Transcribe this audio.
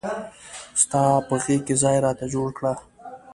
ستا په غیږ کې ځای راته جوړ کړه.